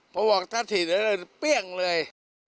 พอบอกถ้าถิ่นเปรี้ยงเลย